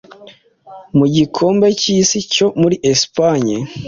mu Gikombe cy'Isi cyo muri espanye